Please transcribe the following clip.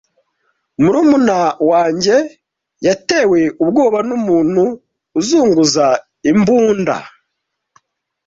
Murumuna wanjye yatewe ubwoba numuntu uzunguza imbunda.